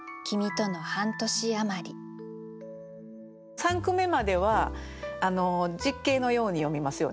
三句目までは実景のように読みますよね。